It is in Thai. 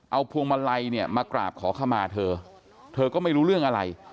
เอาพวงมาลัยเนี่ยมากราบขอขมาเธอเธอก็ไม่รู้เรื่องอะไร